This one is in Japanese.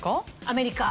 アメリカ。